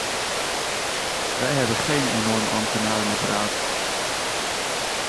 Wij hebben geen enorm ambtenarenapparaat.